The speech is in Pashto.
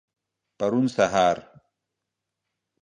پرون سهار.